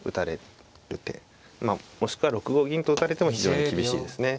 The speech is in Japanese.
まあもしくは６五銀と打たれても非常に厳しいですね。